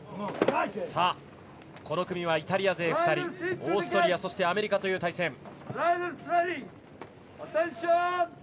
この組はイタリア勢２人オーストリア、そしてアメリカという対戦。